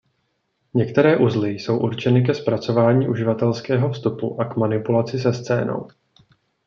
Některé uzly jsou určeny ke zpracování uživatelského vstupu a k manipulaci se scénou.